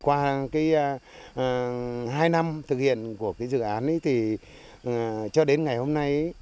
qua hai năm thực hiện của dự án cho đến ngày hôm nay